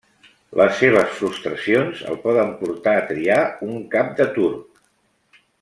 Les seves frustracions el poden portar a triar un cap de turc.